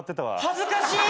恥ずかしい！